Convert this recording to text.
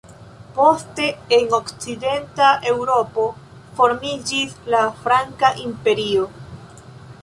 Poste en okcidenta Eŭropo formiĝis la franka imperio.